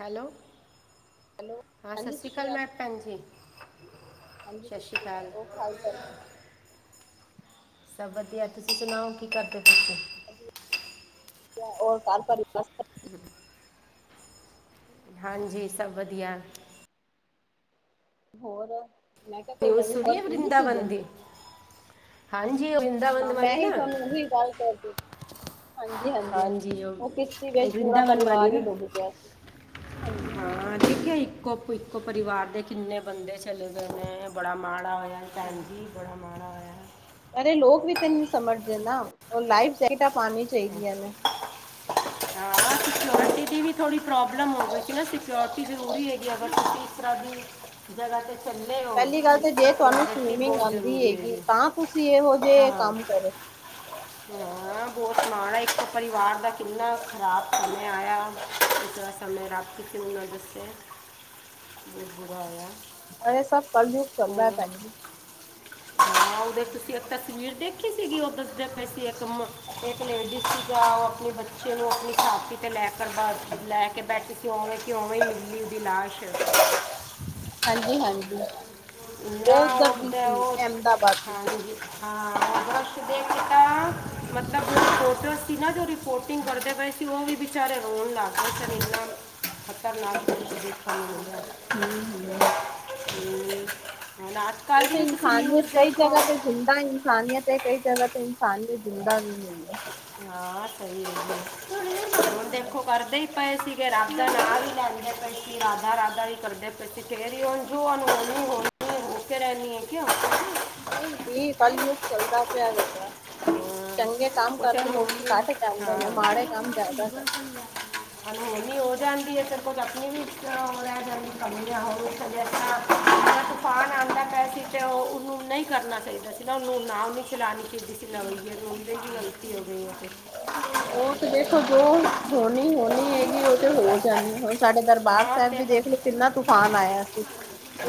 Hello ਹਾਂ ਸਤਿ ਸ਼੍ਰੀ ਅਕਾਲ ਮੈਂ ਭੈਣ ਜੀ ਹਾਂਜੀ ਸਤਿ ਸ਼੍ਰੀ ਅਕਾਲ ਹੋਰ ਹਾਲ ਚਾਲ ਸਬਰ ਅਤੇ ਤੁਸੀਂ ਸੁਣਾਓ ਕੀ ਕਰਦੇ ਪਏ ਸੀ? ਵਧੀਆ ਹੋਰ ਘਰ ਸਾਰੇ ਹੂੰ ਹਾਂਜੀ ਸਭ ਵਧੀਆ ਹੋਰ, ਮੈਂ ਕਿਹਾ ਕੋਈ ਨਿਊਜ ਨਵੀਂ ਸੁਣ ਖ਼ਬਰ ਏ ਸੁਣਨੀ ਸੀ ਵਰਿੰਦਾਵਨ ਜੇ ਦੀ ਹਾਂਜੀ ਉਹ ਨਾ ਵਰਿੰਦਾਵਨ ਮੈਂ ਵਾਲੀ ਹੀ ਤੁਹਾਨੂੰ ਉਹੀ ਗੱਲ ਕਰਦੀ ਹਾਂਜੀ ਹਾਂਜੀ, ਉਹ ਕਿਸ਼ਤੀ ਉਹ ਵਿੱਚ ਪੂਰਾ ਵਰਿੰਦਾਵਨ ਵਾਲੀ ਪਰਿਵਾਰ ਹੀ ਨਾ ਡੁੱਬ ਗਿਆ ਸੀ ਹਾਂਜੀ-ਹਾਂਜੀ। ਕੋ ਇੱਕੋ ਪਰਿਵਾਰ ਦੇ ਕਿੰਨੇ ਬੰਦੇ ਚਲੇ ਗਏ ਨੇ ਬੜਾ ਮਾੜਾ ਹੋਇਆ। ਭੈਣ ਹਾਂਜੀ ਜੀ ਬੜਾ ਮਾੜਾ ਹੋਇਆ। ਅਰੇ ਲੋਕ ਵੀ ਤਾਂ ਨਹੀਂ ਸਮਝਦੇ ਨਾ ਉਹ ਲਾਈਫ ਜੈਟ ਹਾਂ ਸਕਿਓਰਟੀ ਦੀ ਵੀ ਥੋੜੀ ਪ੍ਰੋਬਲਮ ਹੋ ਗਈ ਸੀ ਨਾ ਸਕਿਓਰ ਜ਼ਰੂਰੀ ਹੈਗੀ ਅਗਰ ਤੁਸੀਂ ਇਸ ਤਰ੍ਹਾਂ ਦੀ ਜਗਾ ਤੇ ਚੱਲੇ ਹੋ ਪਹਿਲੀ ਗੱਲ ਤੇ ਜੇ ਤੁਹਾਨੂੰ ਸਿਕਿਉਰਿਟੀ ਸਵੀਮਿੰਗ ਬਹੁਤ ਆਦੀ ਜ਼ਰੂਰੀ ਹੈਗੀ ਤਾਂ ਤੁਸੀਂ ਇਹੋ ਹਾਂ ਜਿਹੇ ਕੰਮ ਕਰੋ। ਹਾਂ ਬਹੁਤ ਮਾਣ ਆ ਇੱਕ ਪਰਿਵਾਰ ਦਾ ਕਿੰਨਾ ਖ਼ਰਾਬ ਸਮੇਂ ਆਇਆ ਇਸ ਦਾ ਸਮੇਂ ਰੱਬ ਕਿਨੂੰ ਨਾ ਦੱਸੇ ਬਹੁਤ ਬੁਰਾ ਹੋਇਆ। ਇਹ ਸਭ ਕੱਲ ਯੁਗ ਚੱਲਦਾ। ਉਹ ਭੈਣ ਜੀ ਹਾਂ ਉਹਦੇ ਤੁਸੀਂ ਇੱਕ ਤਸਵੀਰ ਦੇਖੀ ਸੀਗੀ ਉਹ ਦਸਦੇ ਪਏ ਸੀ ਇੱਕ ਇੱਕ ਲੇਡੀ ਸੀ ਜਾ ਉਹ ਆਪਣੇ ਬੱਚੇ ਨੂੰ ਆਪਣੀ ਛਾਤੀ ਤੇ ਲੈ ਕਰ ਲੈ ਕੇ ਬੈਠੇ ਔਵੇ ਕੀ ਔਵੇ ਮੀਲੀ ਦੀ ਲਾਸ਼ ਹਾਂਜੀ ਹਾਂਜੀ, ਨਾ ਉਹ ਉੱਧਰ ਦੀ ਉਦਾ ਸੀ ਉਹ ਅਹਿਮਦਾਬਾਦ ਦੀ ਹਾਂਜੀ ਹਾਂ। ਬਰਸ਼ ਦੇਖੇ ਤਾਂ ਮਤਲਬ ਰਿਪੋਟੋਰਸ ਸੀ ਨਾ ਜੋ ਰਿਪੋਰਟਿੰਗ ਕਰਦੇ ਪਏ ਸੀ ਉਹ ਵੀ ਵਿਚਾਰੇ ਰੋਣ ਲੱਗਨ ਇੰਨਾ ਖ਼ਤਰਨਾਕ ਕੁਛ ਦੇਖਣ ਨੂੰ ਮਿਲਦਾ। ਹੂੰ, ਹੂੰ, ਹੂੰ [unintelligible] ਉਹ ਤੇ ਇਨਸਾਨੀਅਤ ਕਈ ਜਗ੍ਹਾ ਤੇ ਜਿੰਦਾ ਇਨਸਾਨੀਅਤ ਹੈ ਕਈ ਜਗ੍ਹਾ ਤੇ ਇਨਸਾਨੀਅਤ ਜਿੰਦਾ ਵੀ ਹੈ। ਆ ਸਹੀ ਐ। ਹੁਣ ਦੇਖੋ ਕਰਦੇ ਈ- ਪਏ ਸੀਗੇ ਰਾਧਾ ਨਾ ਹੀ ਲੈਂਦੇ ਪਏ ਸੀ। ਰਾਧਾ ਰਾਧਾ ਵੀ ਕਰਦੇ ਪਏ ਸੀ, ਫੇਰ ਹੀ ਉਹ ਜੋ ਅਨਹੋਣੀ ਹੋ ਕੇ ਰਹਿੰਦੀ ਹੈ ਕਿਉਂ ਨਹੀਂ ਦੀ ਕੱਲ ਯੁਗ ਚੱਲਦਾ ਪਿਆ ਵੇ [unintelligible] ਹਾਂ, ਕੁਛ ਅ ਹਾਂ ਨੇ ਮਾੜੇ ਕੰਮ ਜ਼ਿਆਦਾ ਕਰਦੇ। ਅਨੁ ਹੋਮੀ ਹੋ ਜਾ ਫਿਰ ਕੁਝ ਆਪਣੀ ਵੀ ਰਹਿ ਜਾਂਦੀ ਕਮੀਆਂ ਹੋਵੇਡੇ ਤੂਫਾਨ ਆਉਂਦਾ ਪੈ ਸੀ ਤੇ ਉਹ ਉਹਨੂੰ ਨਹੀਂ ਕਰਨਾ ਚਾਹੀਦਾ ਸੀ ਨਾ ਉਹਨੂੰ ਨਾ ਨਹੀਂ ਚਲਾਉਣੀ ਚਾਹੀਦੀ ਸੀ ਲਵਈਏ ਰਦੇਗੀ ਤੀ ਹੋ ਗਈ ਉਥੇ ਉਹ ਤੇ ਦੇਖੋ ਜੋ ਹੋਣੀ ਹੋਣੀ ਹੈਗੀ ਉਹ ਤੇ ਹੋ ਜਾਣੀ ਹੁਣ ਸਾਡੇ ਦਰਬਾਰ ਹਾਂ ਸਾਹਿਬ ਤੇ ਵੀ ਤਾਂ ਦੇਖਲੋ ਕਿੰਨਾ ਤੂਫਾਨ ਆਇਆ ਸੀ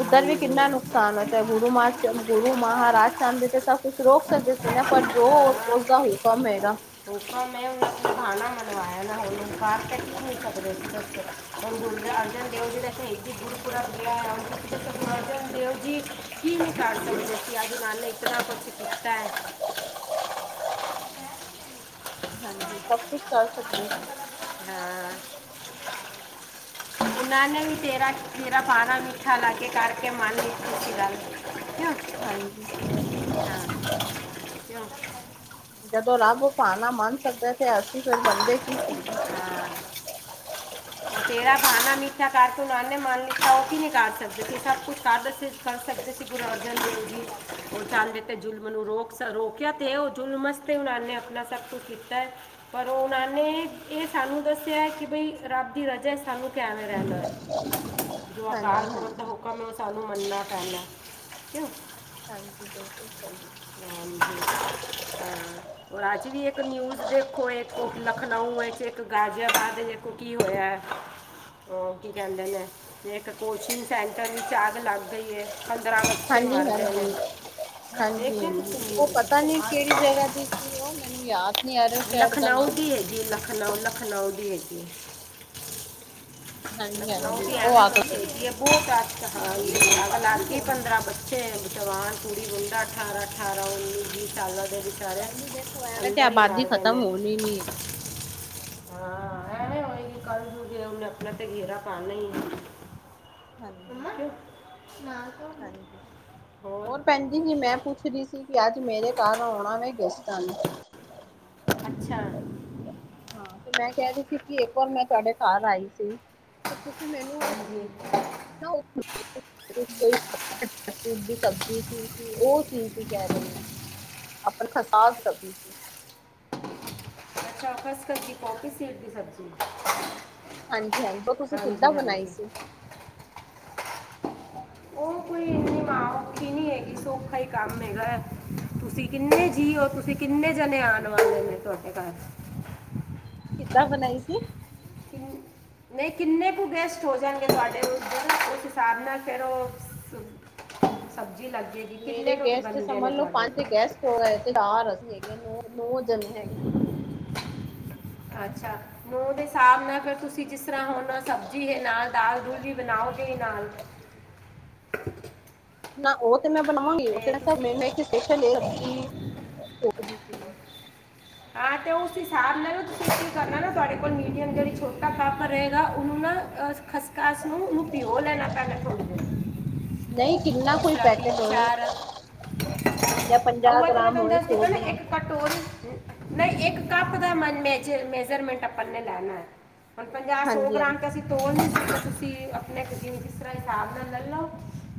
ਉੱਧਰ ਵੀ ਕਿੰਨਾ ਨੁਕਸਾਨ ਹੋਇ ਗੁਰੂ ਮ ਗੁਰੂ ਮਹਾਰਾਜ ਚੰਦ ਤੇ ਸਭ ਕੁਛ ਰੋਕ ਸਕਦੇ ਸੀ ਨਾ ਪਰ ਜੋ ਉਸਦਾ ਹੂਕਮ [unintelligible] ਖਾਣਾ ਮਨਵਾਇਆ ਨਾ ਉਹ ਬਸ ਕੀ ਨ ਸਕਦੇ ਅਰਜ਼ਨ ਦੇਵ ਜੀ ਦਾ ਸ਼ਹੀਦੀ ਇਹ ਸੀ ਪੂਰਾ ਵਿਆਹ ਹੈੁੰਦੇਓ ਜੀ ਕੀ ਨ ਕਰ ਸਕਦੇ ਸੀ ਅਜ ਨਾਲਨ ਨੇ ਇਤਨਾ ਕੁਛ ਕੀਤਾ ਹੈ ਹਾਂਜੀ ਸਭ ਕੁਛ ਕਰ ਸਕਦੇ ਹਾਂ ਉਹਨਾਂ ਨੇ ਵੀ ਤੇਰਾ ਤੇਰਾ ਪਾਣਾ ਵੀ ਅਛ ਲਾ ਕੇ ਕਰ ਕੇ ਮਾਲ ਲ ਖਛ ਲਉਂ ਹਾਂ ਕਿਂ ਹਾਂਜੀ ਜਦੋਂ ਰੱਬ ਪਾਣਾ ਮੰਨ ਸਕਦਾ ਤੇ ਅਸੀਂ ਫਿਰ ਬੰਦੇ ਕੀ ਕੀ ਹਾਂ ਤੇਰਾ ਬਾਹਣਾ ਮੀਠਾ ਕਰਕੇ ਉਹਨਾਂ ਨੇ ਮੰਨ ਲਿੱਤਾ ਉਹ ਕੀ ਨਹੀਂ ਕਰਢ ਸਕਦੇ ਸੀ ਸਭ ਕੁਛ ਕਰ ਦ ਕਰ ਸਕਦੇ ਸੀ ਗੁਰੂ ਅਰਜਨ ਦੇਵ ਜੀ ਹਾਂਜੀ ਉਹ ਚਦੇ ਤੇ ਜ਼ੁਲਮ ਨੂੰ ਰੋਕ ਰੋਕਿਆ ਤੇ ਉਹ ਜ਼ੁਲਮਸ ਤੇ ਉਹਨਾਂ ਨੇ ਆਪਣਾ ਸਭ ਕੁਛ ਕੀਤਾ ਹੈ ਪਰ ਉਹਨਾਂ ਨੇ ਇਹ ਸਾਨੂੰ ਦੱਸਿਆ ਕਿ ਬਈ ਰੱਬ ਦੀ ਰਜਾ ਸਾਨੂੰ ਕੇਆਵੇ ਰਹਿਦਾ ਹੈ ਜ ਅਕਾਲ ਪੂਰਖ ਦਾ ਹਾਂਜੀ ਸੂਖਮ ਏ ਉਹ ਸਾਨੂੰ [unintelligible] ਹ ਹਾਂਜੀ ਬਿਲਕੁਲ ਸਹੀ ਅੱਜ ਵੀ ਇੱਕ ਨਿਊਜ ਦੇਖੋ ਇੱਕ ਲਖਨਊ ਵਿੱਚਚ ਇੱਕ ਗਾਜ਼ਿਆਆਾਬਾਦ ਇੱਕ- ਹੋਇਆ ਉਹ ਕੀ ਕਹਿੰਦੇ ਨੇ ਇੱਕ ਕੋਚਿੰਗ ਸੈਂਟਰ ਵਿੱਚ ਅੱਗ ਲੱਗ ਗਈ ਹੈ ਬੱਚੇ ਹਾਂਜੀ ਮਰ ਗਏ ਨੇ ਹਾਂਜੀ ਹਾਂਜੀ ਦੇਖਿਆ ਹਾਂਜੀ ਤੁਸੀਂ ਉਹ ਪਤਾ ਨੀ ਨਿਊਜ਼ ਕਿਹੜੀ ਜਗ੍ਹਾ ਦੀ ਸੀ ਉਹ ਮੈਨੂੰ ਯਾਦ ਨੀ ਆ ਰਿ ਸ਼ਹਿਰ ਦਾ ਨਾਮ ਖਨਾਓ ਲਖਨਾਉ ਦੀ ਹੈਗੀ ਹੈ ਹਾਂਜੀ ਲਖਲਓ ਹਾਂਜੀ ਕੀ ਉਹ ਆ ਗਈ ਸੀ ਅਹਿਨਤਦੀ ਹੈ ਬਹੁਤ ਲਾ ਪੰਦਰਾਂ ਬੱਚੇ ਜਵਾਨ ਕੁੜੀ ਮੁੰਡਾਅਠਾਰਾਂ ਅਠਾਰਾਂ ਉੱਨੀ ਵੀਹ ਸਾਲਾਂ ਦੇ ਵਿਚਾਰੇ ਕਹਿੰਦੀ ਦੇਖੋ ਐਵੇਂ ਤੇ ਅੰਦਰ ਹੀ ਆਬਾਦੀ ਮਰ ਗਏ ਖਤਮ ਨੇ ਹੋਣੀ ਨੀ ਹੈ ਕਲ ਜੂਗ ਏ ਉਹਨੇ ਆਪਣਾ ਤੇ ਗੇਰਾ ਪਾਉਣਾ ਹੀ ਹ ਕੌਣ ਹਾਂਜੀ ਹੋਰ ਭੈਣ ਜ ਜੀ ਮੈਂ ਪੁੱਛ ਰ ਸੀ ਕਿ ਅੱਜ ਮੇਰੇ ਘਰ ਆਉਣਾ ਵ ਗੈਸਟਾਂ ਨੂੰ ਅੱਛਾ ਹਾਂ ਤੇ ਮੈਂ ਕਹਿ ਰਹੀ ਸੀ ਕਿ ਇੱਕ ਵਰ ਮੈਂ ਤੁਹਾਡੇ ਘਰ ਆਈ ਸੀ ਤੁਸੀਂ ਮੈਨੂੰ ਹਾਂਜੀ ਦੀ ਸਬਜ਼ੀ ਸੀ ਕਿ ਉਹ ਸੀ ਕੀ ਕਹਿ ਰਹੇ ਨੇ ਆਪ ਖਸਾਸ ਸਬਜ਼ੀ ਸੀ ਅੱਛਾ ਖਸਕੀ ਕੌਪੀ ਸੀਡ ਦੀ ਸਬਜ਼ੀ ਹਾਂਜੀ ਹਾਂਜੀ ਉਹ ਤੁਸੀਂ ਕਿੱਦਾਂ ਹਾਂਜੀ ਬਣਾਈ ਹਾਂਜੀ ਸੀ। ਉਹ ਕੋਈ ਇੰਨੀ ਠੀਕ ਹੈ, ਮਾਉਖੀ ਹੈਗੀ ਸੌਖਾ ਹੀ ਕੰਮ ਹੈਗਾ ਤੁਸੀਂ ਕਿੰਨੇ ਜੀ ਹੋ ਤੁਸੀਂ ਕਿੰਨੇ ਜਣੇ ਆਉਣ ਵਾਲੇ ਨੇ ਤੁਹਾਡੇ ਘਰ ਕਿੱਦਾਂ ਬਣਾਈ ਸੀ। ਕਿੰਨ- ਨਹੀਂ ਕਿੰਨੇ ਕੁ ਗੈਸਟ ਹੋ ਜਾਣਗੇ ਤੁਹਾਡੇ ਉਸ ਹਿਸਾਬ ਨਾਲ ਫਿਰ ਉਹ ਲੱਗ ਜਾਏਗੀ ਮੇਰੇ ਕਿੰਨੇ ਕੁ ਗੈਸਟ ਬੰਦੇ ਸਮਝ ਨੇ ਲਓ ਤੁਹਾਡੇ ਪੰਜ ਤੇ ਗੈਸਟ ਹੋ ਗਏ ਚਾਰ ਅਸੀਂ ਹੈਗੇ ਨ ਨੋ ਜਦੇ ਹੈਗੇ ਆ। ਅੱਛਾ ਨੂੰਹ ਦੇ ਹਿਸਾਬ ਨਾਲ ਫਿਰ ਤੁਸੀਂ ਜਿਸ ਤਰ੍ਹਾਂ ਹੁਣ ਸਬਜ਼ੀ ਹੈ ਨਾਲ ਦਾਲ ਦੁਲ ਵੀ ਬਣਾਓ। ਦੇ ਨਾਲ ਨਾ ਉਹ ਮੈਂ ਬਣਾਵਾਂਗੀ ਮੇਰੇ ਤੇ ਤੁਸੀਂ ਨਾਲ ਸਪੈਸ਼ਲ ਐ ਕੀ ਹਾਂ ਅਤੇ ਉਸ ਹਿਸਾਬ ਨਾਲ ਨਾ ਤੁਸੀਂ ਕੀ ਕਰਨਾ ਨਾ ਤੁਹਾਡੇ ਕੋਲ ਮੀਡੀਅਮ ਜਿਹੜੀ ਛੋਟਾ ਪਾਪਰ ਰਹੇਗਾ ਉਹਨੂੰ ਨਾ ਖਸ ਸ ਨੂੰ ਉਹਨੂੰ ਪੀਓ ਲੈਣਾ ਪੈਣਾ ਥੋੜੀ ਦੇਰ ਨਹੀਂ ਕਿੰਨਾ ਜਿਸ ਕੋਈ ਤਰ੍ਹਾਂ ਤਿੰਨ ਪੈਕੇਟ ਹੋਏ ਚਾਰ ਜਾਂ ਪੰਜਾਹ ਉਹ ਤਾਂ ਮੈਂ ਗ੍ਰਾਮ ਤੁਹਾਨੂੰ ਹੋਏ ਦੱਸਦੀ ਸੌ ਨਾ ਗ੍ਰਾਮ ਇੱਕ ਕਟੋਰੀ ਨਹੀਂ ਇੱਕ ਕੱਪ ਦਾ ਮਨ ਮ ਮੇਜਰਮੈਂਟ ਆਪਾਂ ਨੇ ਲੈਣਾ ਹੈ। ਹੁਣ ਪੰਜਾਹ ਸੌ ਹਾਂਜੀ ਹਾਂਜੀ ਗ੍ਰਾਮ ਅਸੀਂ ਤੋਲ ਤੁਸੀਂ ਆਪਣੇ ਖ ਨੂੰ ਕਿਸ ਤਰ੍ਹਾਂ ਹਿਸਾਬ ਨਾਲ ਲੈ ਲਓ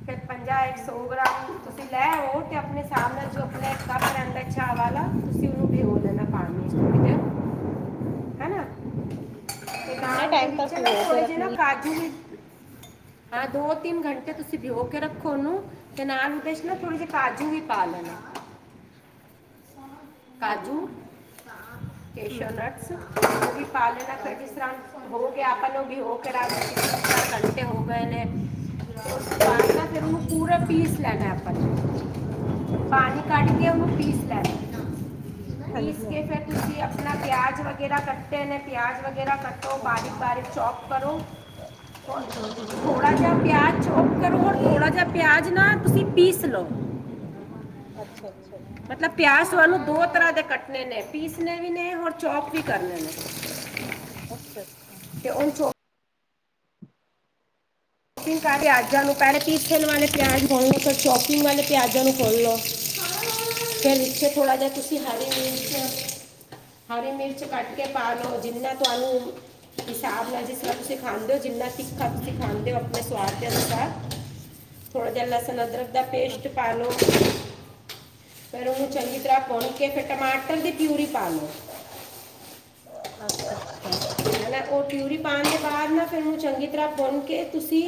ਫੇ ਪੰਜਾਹ ਇੱਕ ਹੂੰ ਸੌ ਤੁਸੀਂ ਲੈ ਆਉ ਤੇ ਆਪਣੇ ਹਿਸਾਬ ਨਾਲ ਜੋ ਆਪਣਾ ਕਰਨ ਅੱਛਾਾ ਤੁਸੀਂ ਉਹਨੂੰ ਬ [unintelligible] ਹੈ ਨਾ, ਤੇ ਕਿੰਨੇ ਨਾਲ ਉਹਦੇ ਟਾਈਮ ਵਿੱਚ ਤੱਕ ਨਾ ਭਿਗੋ ਕੇ ਥੋੜੇ ਜਿਹੇ ਨਾ ਰੱਖਣੀ ਕਾਜੂ ਹਾਂ ਦੋ ਤਿੰਨ ਘੰਟੇ ਤੁਸੀਂ ਭਿਓ ਕੇ ਰੱਖੋ ਉਹਨੂੰ ਕ ਨਾਲ, ਨਾਲ ਥੋੜ ਜੇ ਕਾਜੂ ਵੀ, ਪਾ ਲੇਨਾ, ਹਮ ਕਾਜੂ, ਹਾਂਜੀ ਕੇਸ਼ੋਨਟਸ ਪਾਲਣਾ ਹਾਂਜੀ [unintelligible] ਆਪਾਂ ਨੂੰ ਵੀ ਹੋ ਕੇ ਘੰਟੇ ਹੋ ਗਏ ਨੇ ਫਿਰ ਉਹਨੂੰ ਪੂਰਾ ਪੀਸ ਲੈਣਾ ਆਪਾਂ ਨੂੰ ਅੱਛਾ ਪਾਣੀ ਅੱਛਾ ਕੱਢਦੀ ਉਹ ਪੀਸ [unintelligible] ਪੀਸ ਹਾਂਜੀ ਕੇ ਹਾਂਜੀ ਫੇਰ ਤੁਸੀਂ ਪਿਆਜ ਵਗੈਰਾ ਕੱਟੇ ਪਿਆਜ ਵਗੈਰਾ ਕੱਟੋ ਬਾਰੀਕ ਬਾਰੇ ਚੋਪ ਕਰੋ ਹਮ ਹਮ ਥੋੜਾ ਜਿਹਾ ਪਿਆਜ ਚੋਪ ਕਰੋ ਰ ਥੋੜਾ ਜਿਹਾ ਪਿਆਜ ਨਾ ਤੁਸੀਂ ਪੀਸ ਲਓ ਅੱਛਾ ਅੱਛਾ ਮਤਲਬ ਪਿਆਸ ਵਾਲੂ ਦੋ ਤਰ੍ਹਾਂ ਦੇ ਕੱਟਣੇ ਨੇ ਪੀਸਣੇ ਵੀ ਨੇ ਔਰ ਚੌਪ ਵੀ ਕਰਨੇ ਨੇ ਅੱਛਾ ਅੱਛਾ ਤੇ ਉਹ ਚੌਪ ਵੋਟਿੰਗ ਸਾ ਹੂੰ ਅਜ ਨੂੰ ਪੈਰੇ ਪੀਸਣ ਵਾਲੇ ਪਿਆਜ਼ ਖੋਲ ਲਉ ਫਿਰ ਸ਼ੌਪਿੰਗ ਵਾਲੇ ਪਿਆਜ਼ਾਂ ਨੂੰ ਖੋਲ੍ਹ ਲਉ ਫਿਰ ਇੱਥੇ ਥੋੜ੍ਹਾ ਜਿਹਾ ਹਰੀ ਹਾਂ ਮਿਰਚ ਹਰੀ ਮਿਰਚ ਕੱਟ ਕੇ ਪਾ ਦਿਓ ਜਿੰਨਾ ਤੁਹਾਨੂੰ ਹਿਸਾਬ ਨਾਲ ਜਿਸ ਤਰ੍ਹਾਂ ਤੁਸੀਂ ਖਾਂਦੇ ਹੋ ਜਿੰਨਾ ਸਿੱਖਾ ਤੁਸੀਂ ਖਾਂਦੇ ਹੋ ਨ ਥੋੜਾ ਜਿ ਲਸਣ ਅਦਰਕ ਦਾ ਪੇਸਟ ਅੱਛਾ ਪਾ ਲਓ ਪਰ ਉਹਨੂੰ ਹੂੰ ਚੰਗੀ ਹੂੰ ਤਰ੍ਹਾਂ ਕੂਟ ਕੇ ਫੱ ਟਮਾਟਰ ਦੀ ਪਿਊਰੀ ਪਾਾਲਓ ਅੱਛਾ ਅੱਛਾ ਹੈ ਨਾ ਉਹ ਪਿਊਰੀ ਪਾਉਣ ਦੇ ਬਾਅਦ ਨਾ ਫਿਰ ਉਹਨੂੰ ਚੰਗੀ ਤਰ੍ਹਾਂ ਭੁੰਨ ਕੇ ਤੁਸੀਂ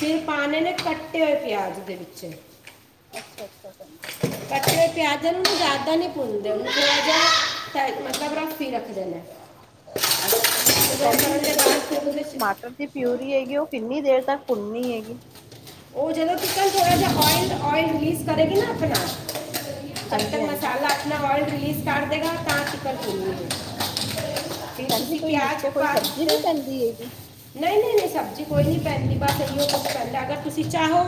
ਫਿਰ ਪਾਉਣੇ ਨੇ ਕੱਟੇ ਹੋਏ ਪਿਆਜ਼ ਦੇ ਵਿੱਚ ਅੱਛਾ ਅੱਛਾ ਭੈਣ ਕੱਚੇ ਪਜ਼ਿਆਂ ਨੂੰ ਜ਼ਿਆਦਾ ਨੀ ਭੁੰਨਦੇੁ ਪਜ਼ਾ ਮਤਲਬ ਹੂੰ ਰਫੀ ਰੱਖਦੇ ਨੇ ਅੱਛਾ ਤੇ ਭੈਣ ਜੀ ਮੈਂ ਕਹਿ ਰਹੀ ਸੀ ਜਿਹੜੀ ਭੂਨੀ ਹੈਗੀ ਉਹ ਜਦੋਂ ਤ ਥੋੜ੍ਹਾ ਜਿਹਾ ਊਇਲ ਊਇਲ ਰਿਲੀਜ਼ ਕਰਗੀ ਨਾ ਆਪਣਾ ਜਬ ਤੱਕ ਹਾਂਜੀ ਹਾਂਜੀ ਮਸਾਲਾ ਆਪਣਾ ਵਰਲਡ ਰਲੀਜ਼ ਕਰ ਦੇਗਾ ਤਾਂ ਕੀ ਕਰ ਫ ਤੇ ਭੈਣ ਜੀ ਤੁਸੀਂ ਕੋਈ ਪਿਆਜ ਵਿੱਚ ਕੋਈ ਪਾ ਸਬਜ਼ੀ ਦਿੱਤੇ ਵੀ ਪੈਂਦੀ ਹੈਗੀ ਨਹੀਂ ਨਹੀਂ ਨਹੀਂ ਸਬਜ਼ੀ ਕੋਈ ਨਹੀਂ ਪੈਂਦੀ ਬਸ ਇ ਕੁਛ ਪੈਂਦਾ ਅਗਰ ਤੁਸੀ ਚਾਹੋ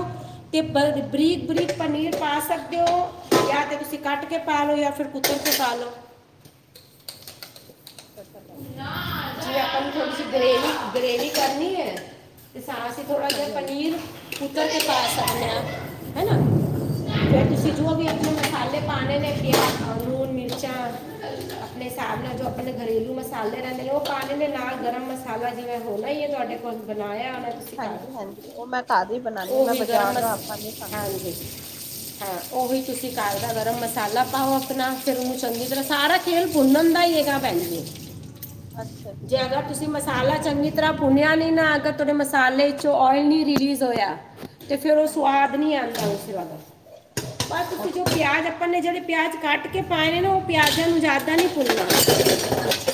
ਤੇ ਬਰੀਕ ਬਰੀਕ ਪਨੀਰ ਪਾ ਸਕਦੇ ਹੋ ਜਾਂ ਤਾਂ ਤੁਸੀ ਕੱਟ ਕੇ ਪਾ ਲਓ ਜਾਂ ਫਿਰ ਕੁੱਤਰ ਪਾ ਲਓ ਛ ਕਰਨ ਗਰੇਵੀ ਗਰੇਵੀ ਕਰਨੀ ਹੈ ਸਸੀ ਥੋੜਾ ਜਿਹਾ ਹਾਂਜੀ ਹਾਂਜੀ ਪਨੀਰ ਪੁੱਤੋਂ ਦੇ ਪਾਸ ਆਣੇ ਆ ਹਨਨਾ ਫੇਰ ਤੁਸੀ ਅੱਛਾ ਜੋ ਵੀ ਅੱਛਾ ਆਪਣੇ ਮਸਾਲੇ ਪਾਣੇ ਨੇ ਕਿਹਾ [unintelligible] ਆਪਣੇ ਹਿਸਾਬ ਨਾਲ ਜੋ ਹੂੰ ਆਪਣੇ ਹੂੰ ਘਰੇਲੂ ਮ ਮਸਾਲਦੇ ਰਹਿੰਦੇ ਨੇ ਉਹ ਪਾ ਲ ਨਾਲ ਗਰਮ ਮਸਾਲਾ ਜਿਵੇਂ ਹੋਣਾ ਹੀ ਹੈ ਤੁਹਾਡੇ ਕੋਲ ਬਣਾਇਆ ਤੁਸੀਂ ਹਾਂਜੀ ਘਰ ਹਾਂਜੀ ਉਹ ਮੈਂ ਘਰ ਹੀ ਬਣਾਦੀ ਮੈਂ ਉਹੀ ਗਰਮ ਬਾਜ਼ਾਰ ਦਾ ਆਪਾਂ ਨਹੀਂ ਖਾਂਦਾ ਹੈਂ ਉਹਹੀ ਤੁਸੀਂ ਕਗ ਦਾ ਗਰਮ ਮਸਾਲਾ ਪਾਓ ਆਪਣਾ ਫਿਰ ਉਹਨੂੰ ਚੰਗੀ ਤਰ੍ਹਾਂ ਸਾਰਾ ਖੇਲ ਬੁੰਨਣ ਦਾ ਹੀ ਹੈਗਾ ਪਹਿਲੀਲੇ ਅੱਛਾ ਅੱਛਾ ਜੀ ਜਿਆਦਾ ਤੁਸੀਂ ਮਸਾਲਾ। ਚੰਗੀ ਤਰ੍ਹਾਂ ਪੁਣਿਆ ਨਹੀਂ ਨਾ ਅਗਰ ਤੁਹਾਡੇ ਮਸਾਲੇ ਚੋ ਔਇਲ ਨਹੀਂ ਰਿਲੀਜ਼ ਹੋਇਆ? ਤੇ ਫੇਰ ਉਹ ਹਾਂਜੀ ਸਵਾਦ ਹਾਂਜੀ ਨੀ ਆਉਂਦਾ ਉਸ ਦਾ ਬਸ ਤੁਸੀਂ ਜੋ ਅੱਛਾ ਪਿਆਜ ਅੱਛਾ ਆਪਾਂ ਨੇ ਜਿਹੜੇ ਪਿਆਜ? ਕੱਟ ਕੇ ਪਾਏ ਨੇ ਨਾ ਉਹ ਪਿਆਜ਼ਾਂ ਨੂੰ ਜ਼ਿਆਦਾ ਨਹੀਂ ਭੁੰਨਣਾ?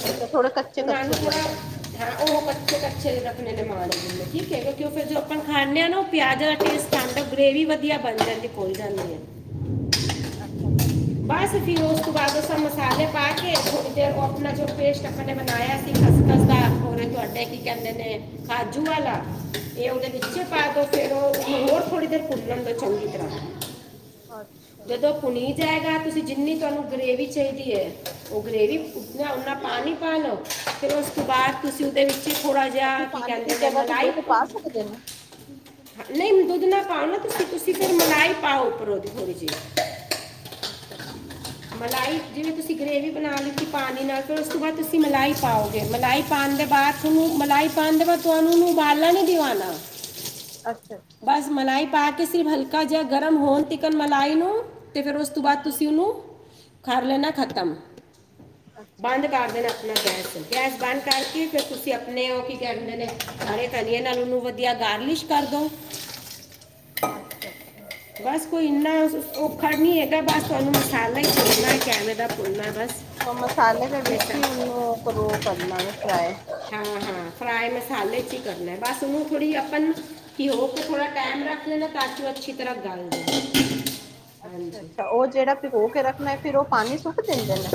ਅੱਛਾ ਥੋੜੇ ਕੱਚੇ ਉਹਨਾ ਨੂੰ ਕੱਚੇ ਜੇ ਥੋੜਾ ਰੱਖਣੇ ਹਾਂ ਉਹ ਕੱਚੇ-ਕੱਚੇ ਜੇ [unintelligible] ਕਿਉਂ ਫਿਰ ਜਦੋ ਆਪਾਂ ਅੱਛਾ ਖਾਣੇ ਹਾਂ ਉਹ ਪਿਆਜ ਟੇਸਟ ਆਦਾ ਗ੍ਰੇਵੀ ਵਧੀਆ ਬਣ ਹੂੰ ਜਾਂਦੀ ਹੈ ਹੂੰ ਘੁੱਲ ਜਾਂਦੀ ਆ। ਅੱਛਾ ਭੈਣ ਜੀ। ਤੇ ਵਾਧੂ ਸਾਰੇ ਮਸਾਲੇ ਪਾ ਕੇ ਥੋੜੀ ਦੇਰ ਉਹ ਆਪਣਾ ਜੋ ਪੇਸਟ ਦੋ ਆਪਾਂ ਨੇ ਮਨਾਇਆ ਸੀ ਖਸਖਸ ਦਾ ਔਰ ਇਹ ਤੁਹਾਡੇ ਕੀ ਕਹਿੰਦੇ ਨੇ ਕਾਜੂ ਵਾਲਾ ਇਹ ਉਹਦੇ ਵਿੱਚੇ ਹਮ ਪਾ ਹਮ ਦਿਓ ਫਿਰ ਉਹ ਹੁਣ ਹੋਰ ਥੋੜ੍ਹੀ ਦੇਰ ਫੁੱਲਣ ਦੋ ਚੰਗੀ ਤਰ੍ਹਾਂ। ਅੱਛਾ ਜਦੋਂ ਭੁਨੀ ਜਾਏਗਾ ਤੁਸੀਂ ਜਿੰਨੀ ਤੁਹਾਨੂੰ ਗਰੇਵੀ ਚਾਹੀਦੀ ਹੈ ਉਹ ਗਰੇਵੀ ਹਮ ਉੱਤਨਾ ਉਨਾ ਪਾਣੀ ਪਾ ਲਓ ਫਿਰ ਉਸ ਤੋਂ ਬਾਅਦ ਤੁਸੀਂ ਉਹਦੇ ਵਿੱਚ ਥੋੜਾ ਅਸੀਂ ਜਿਹਾ ਕੀ ਪਾਣੀ ਦੀ ਕਹਿੰਦੇ ਨੇ ਜਗ੍ਹਾ ਤੇ ਮਲਾਈ ਦੁੱਧ ਪਾ ਸਕਦੇ ਨੇ ਨਹੀਂ ਦੁੱਧ ਨਾ ਪਾਨੀ ਤੁਸੀਂ-ਤੁਸੀਂ ਫਿਰ ਮਲਾਈ ਪਾਓ ਉੱਪਰੋ ਦੀ ਥੋੜੀ ਜਿਹੀ। ਅੱਛਾ ਮਲਾਈ ਜਿਵੇਂ ਤੁਸੀਂ ਗ੍ਰੇਵੀ ਬਣਾ ਲਿੱਤੀ ਪਾਨੀ ਨਾਲ ਫੇਰ ਉਸ ਤੋਂ ਬਾਅਦ ਤੁਸੀ ਤੁਸੀਂ ਮਲਾਈ ਪਾਓਗੇ ਮਲਾਈ ਪਾਨ ਦੇ ਬਾਅਦ ਥੋਨੋ ਮਲਾਈ ਪਾਨ ਦੇ ਬਾਅਦ ਤੁਹਾਨੂੰ ਉਹਨੂੰ ਉਬਾਲਾ ਨੀ ਦਿਵਾਨਾ। ਅੱਛਾ-ਅੱਛਾ। ਪਾ ਕੇ ਸਿਰਫ ਹਲਕਾ ਜਿਹਾ ਗਰਮ ਹੋਣ ਤਿਕਨ ਮਲਾਈ ਨੂੰ ਤੇ ਫਿਰ ਉਸ ਤੋਂ ਬਾਅਦ ਤੁਸੀਂ ਉਹਨੂੰ ਕਰ ਲੈਨਾ ਖਤਮ। ਬੰਦ ਅੱਛਾ-ਅੱਛਾ। ਕਰ ਦੇਣਾ ਆਪਣਾ ਗੈਸ। ਗੈਸ ਬੰਦ ਕਰਕੇ ਫਿਰ ਤੁਸੀ ਆਪਣੇ ਉਹ ਕੀ ਕਹਿੰਦੇ ਨੇ ਹਰੇ ਧਨੀਏ ਨਾਲ ਉਹਨੂੰ ਵਧੀਆ ਗਾਰਲਿਸ਼ ਕਰਦੋ। ਅੱਛਾ ਅੱਛਾ ਅੱਛਾ ਬਸ ਕੋਈ ਇੰਨਾ ਔਖਾ ਨੀ ਹੈਗਾ ਬਸ ਤੁਹਾਨੂੰ ਮਸਲਾ ਭੁੰਨਣਾ ਇੱਕ ਐਵੇਂ ਦਾ। ਭੁੰਨਣਾ ਹੈ ਬਸ ਅੱਛੋ ਮਸਾਲੇ ਉਹ ਮਸਾਲੇ ਦੇ ਵਿੱਚ ਮਿਕਸਰ ਹੀ ਉਨੂੰ ਕਰੋ ਕਰਨਾ ਵੇ ਫਰਾਏ। ਹਾਲੇ ਜੀ ਕਰਨਾ ਬਸ ਉਹਨੂੰ ਥੋੜੀ ਆਪਾ ਉਹਨੂੰ ਭਿਓ ਕੇ ਥੋੜਾ ਉਹ ਟਾਈਮ ਮੈਂ ਰੱਖ ਲਣਾ ਤਾਂ ਕਿ ਉਹ ਅੱਛੀ ਹੂੰ ਤਰ੍ਹਾਂ ਹੂੰ ਗਲ ਜੇ, ਅੱਛਾ ਹਾਂਜੀ ਅੱਛਾ ਉਹ ਜਿਹੜਾ ਭਿਗੋ ਕੇ ਰੱਖਣਾ ਫਿਰ ਉਹ ਪਾਣੀ ਸੁੱਟ ਦਿੰਦੇ ਨੇ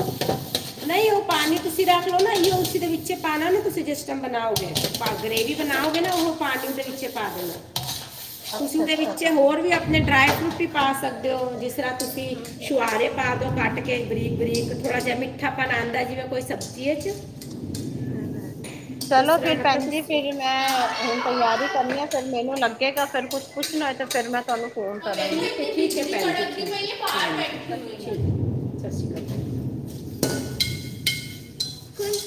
ਨਹੀਂ ਉਹ ਪਾਨੀ ਤੁਸੀਂ ਰੱਖ ਲਓ ਨਾਂ ਇਹ ਉਸੀ ਦੇ ਵਿੱਚ ਪਾਣਾ ਨਾਂ ਤੁਸੀਂ ਜਿਸ ਟਾਈਮ ਬਣਾਓਗੇ। ਗਰੇਵੀ ਬਣਾਓਗੇ ਨਾ ਅੱਛਾ ਉਹ ਅੱਛਾ ਪਾਣੀ ਉਹਦੇ ਹੂੰ ਵਿੱਚ ਹੂੰ ਪਾ ਦੇਣਾ। ਤੁਸੀਂ ਅੱਛਾ ਉਹਦੇ ਵਿੱਚ ਅੱਛਾ ਹੋਰ ਵੀ ਆਪਣੇ ਡਰਾਈ ਫਰੂਟ ਵੀ ਪਾ ਸਕਦੇ ਹੋ ਜਿਸ ਤਰ੍ਹਾਂ ਤੁਸੀਂ ਹਮ ਛੁਹਾਰੇ ਪਾ ਦੋ ਕੱਟਕੇ ਗਰੀਕ ਬਰੀਕ ਥੋੜਾ ਜਿਆ ਮਿੱਠਾ ਪਾਣਾ ਆਂਦਾ ਜਿਵੇਂ ਕੋਈ ਸਬਜ਼ੀ 'ਚ [inaudible] ਉਸ ਚਲੋ ਤਰ੍ਹਾਂ ਫਿਰ ਮਤਲਬ ਭੈਣ ਜੀ ਤੁਸੀਂ ਫਿਰ ਮੈਂ ਹੁਣ ਤਿਆਰੀ ਕਰਨੀ ਆ ਫਿਰ ਮੈਨੂੰ ਲੱਗੇਗਾ ਫੇਰ ਕੁਛ ਪੁਛ ਤੇ ਫਿਰ ਮੈਂ ਤੁਹਾਨੂੰ ਫੋਨ ਕਰਾਂਗੀ ਠੀਕ ਠੀਕ ਭੈਣ ਜੀ। ਠੀਕ ਹੈ ਸਤਿ ਸ਼੍ਰੀ ਅਕਾਲ [inaudible] ਸਤਿ ਸ਼੍ਰੀ ਅਕਾਲ।